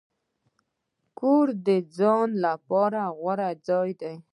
کور د ځان لپاره غوره ځای دی.